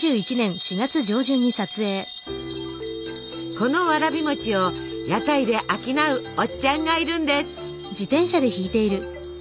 このわらび餅を屋台で商うおっちゃんがいるんです。